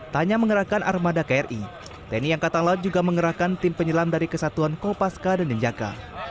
tanya mengerahkan armada kri tni angkatan laut juga mengerahkan tim penyelam dari kesatuan kopaska dan denjaka